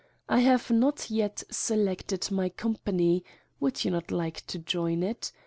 I have not yet selected my company (would you not like to join it?).